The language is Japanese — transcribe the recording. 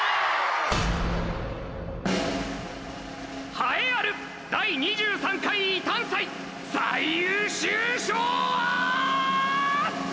栄えある第２３回伊旦祭最優秀賞は！